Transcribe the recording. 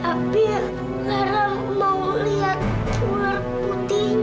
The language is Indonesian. tapi aku larang mau lihat ular putihnya oma